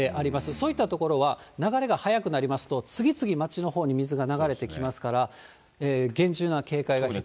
そういった所は流れが速くなりますと、次々、町のほうに水が流れてきますから、厳重な警戒が必要です。